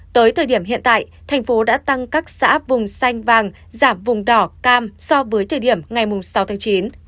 tới thời điểm hiện tại thành phố đã tăng các xã vùng xanh vàng giảm vùng đỏ cam so với thời điểm ngày sáu tháng chín